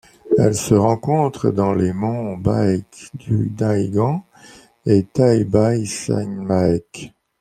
Elle se rencontre dans les monts Baekdudaegan et Taebaeksanmaek.